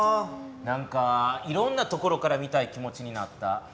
なんかいろんな所から見たい気持ちになった。